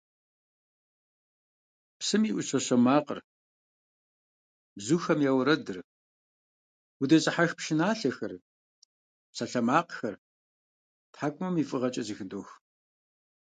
Псым и Ӏущащэ макъыр, бзухэм я уэрэдыр, удэзыхьэх пшыналъэхэр, псалъэмакъхэр тхьэкӀумэм и фӀыгъэкӀэ зэхыдох.